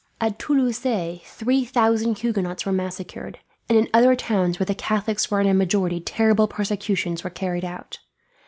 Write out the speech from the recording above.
At Toulouse three thousand Huguenots were massacred, and in other towns where the Catholics were in a majority terrible persecutions were carried out.